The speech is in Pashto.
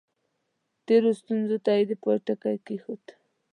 تېرو ستونزو ته یې د پای ټکی کېښود.